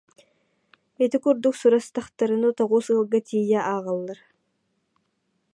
Ити курдук сурастахтарына тоҕус ыалга тиийэ ааҕаллара